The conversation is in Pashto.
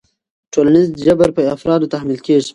ټولنیز جبر په افرادو تحمیل کېږي.